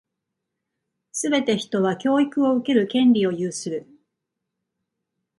すべて人は、教育を受ける権利を有する。